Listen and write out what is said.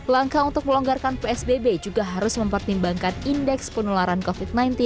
langkah untuk melonggarkan psbb juga harus mempertimbangkan indeks penularan covid sembilan belas